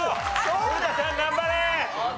古田さん頑張れ！